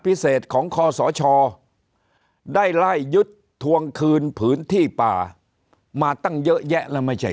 พิเศษของคอสชได้ไล่ยึดทวงคืนพื้นที่ป่ามาตั้งเยอะแยะแล้วไม่ใช่